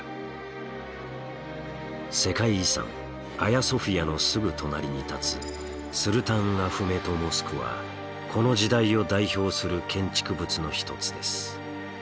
世界遺産アヤソフィアのすぐ隣に建つスルタンアフメト・モスクはこの時代を代表する建築物の一つです。